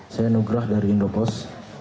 saya nugrah dari indopos